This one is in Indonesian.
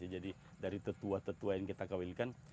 jadi dari tetua tetua yang kita kawinkan